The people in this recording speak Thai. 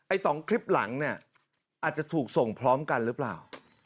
๒คลิปหลังเนี่ยอาจจะถูกส่งพร้อมกันหรือเปล่า